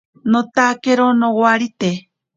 Notakero nowarite.